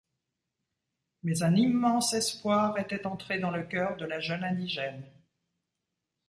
Mais un immense espoir était entré dans le cœur de la jeune indigène.